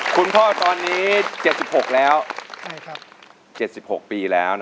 คุณพ่อตอนนี้๗๖ปีแล้ว